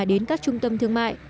đến các trung tâm thương mại